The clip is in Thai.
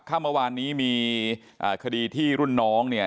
เมื่อวานนี้มีคดีที่รุ่นน้องเนี่ย